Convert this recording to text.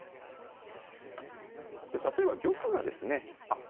で例えば玉がですねあっ